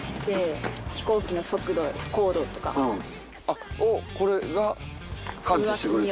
あっこれが感知してくれるんすか。